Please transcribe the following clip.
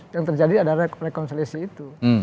yang terjadi adalah rekonsiliasi itu